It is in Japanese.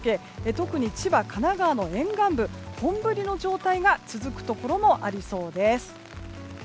特に千葉、神奈川の沿岸部本降りの状態が続くところもありそうです。